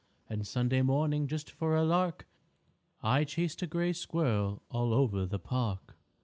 And Sunday morning, just for a lark, I chased a gray squirrel all over the Park!